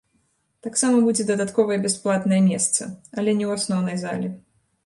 Таксама будзе дадатковае бясплатнае месца, але не ў асноўнай зале.